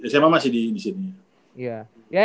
sma masih di sini